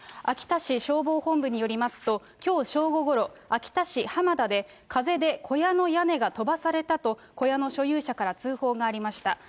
秋田市消防本部によりますと、きょう正午ごろ、秋田市はまだで、風で小屋の屋根が飛ばされたと、小屋の所有者から通報がありました。